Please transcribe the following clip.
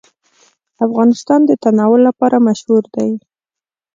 افغانستان د تنوع لپاره مشهور دی.